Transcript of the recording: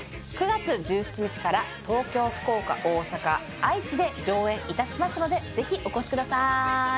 ９月１７日から東京福岡大阪愛知で上演いたしますのでぜひお越しください